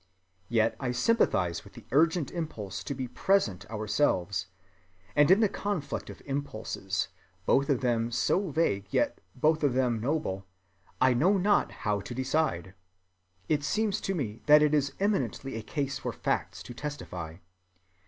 Yet I sympathize with the urgent impulse to be present ourselves, and in the conflict of impulses, both of them so vague yet both of them noble, I know not how to decide. It seems to me that it is eminently a case for facts to testify.